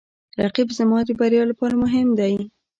رقیب زما د بریا لپاره مهم دی